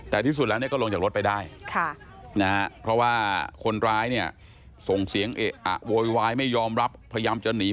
แต่ที่สุดแล้วก็ลงจากรถไปได้เพราะว่าคนร้ายเนี่ยส่งเสียงเอะอะโวยวายไม่ยอมรับพยายามจะหนี